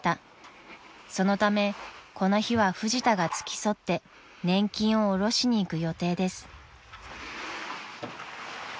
［そのためこの日はフジタが付き添って年金をおろしに行く予定です］